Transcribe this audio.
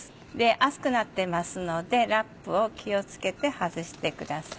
熱くなってますのでラップを気を付けて外してください。